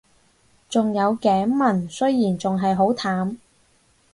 仲有頸紋，雖然仲係好淡